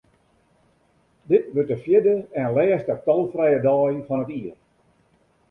Dit wurdt de fjirde en lêste tolfrije dei fan dit jier.